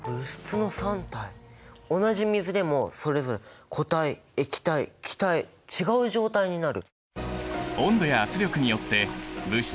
同じ水でもそれぞれ固体液体気体違う状態になる。